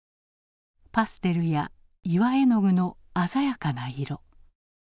パステルや岩絵の具の鮮やかな色。